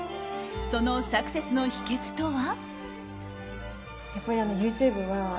そのサクセスの秘訣とは。